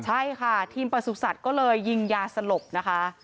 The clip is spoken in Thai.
ใช่ค่ะทีมประสุทธิ์ก็เลยยิงยาสลบนะคะ